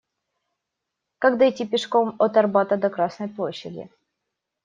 Как дойти пешком от Арбата до Красной Площади?